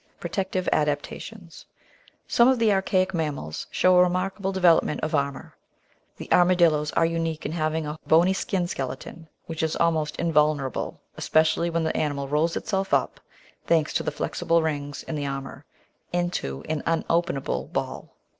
Protective Adaptations Some of the archaic mammals show a remarkable develop ment of armour. The Armadillos are unique in having a bory skin skeleton which is almost invulnerable, especially when the animal rolls itself up, thanks to the flexible rings in the armour, Natural Htstoiy 477 into an unopenable ball.